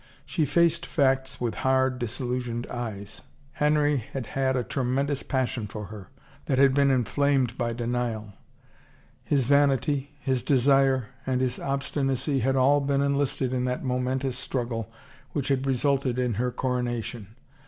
She faced facts with hard, disillusioned eyes. Henry had had a tremendous passion for her, that had been in flamed by denial ; his vanity, his desire, and his obstinacy had all been enlisted in that momentous struggle which had resulted in her coronation.